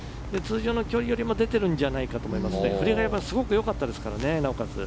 通常の距離よりも出てるんじゃないかと思うのでなおかつ、振りがすごくよかったですからね。